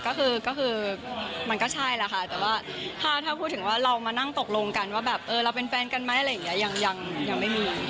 ก็คือมันก็ใช่แหละค่ะแต่ว่าถ้าพูดถึงว่าเรามานั่งตกลงกันว่าแบบเออเราเป็นแฟนกันไหมอะไรอย่างนี้ยังไม่มี